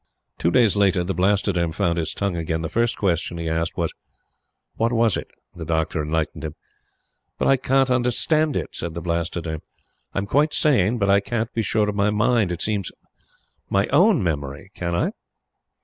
Two days later, the Blastoderm found his tongue again. The first question he asked was: "What was it?" The Doctor enlightened him. "But I can't understand it!" said the Blastoderm; "I'm quite sane; but I can't be sure of my mind, it seems my OWN memory can I?"